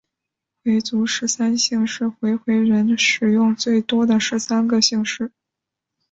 回族十三姓是回回人使用最多的十三个姓氏。